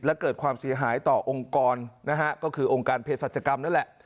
และเกิดความเสียหายต่อองค์กรนะฮะก็คือองค์การเพศสัจกรรมนั่นแหละ